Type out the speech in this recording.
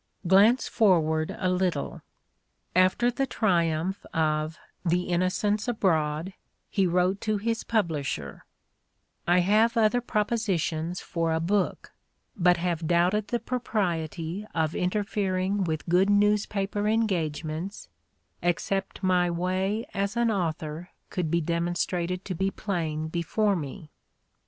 ^ Glance forward a little. After the triumph of "The Innocents Abroad," he wrote to his publisher: "I have other propositions for a book, but have doubted the propriety of interfering with good newspaper engage ments, except my way as an author could be demon strated to be plain before me."